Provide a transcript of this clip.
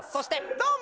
どうも。